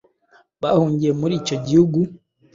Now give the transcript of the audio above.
bahungiye muri icyo Gihugu